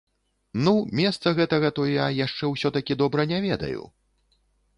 Ну, месца гэтага то я яшчэ ўсё-такі добра не ведаю!